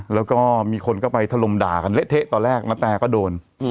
แล้วก็มีคนก็ไปถล่มด่ากันเละเทะตอนแรกณแตก็โดน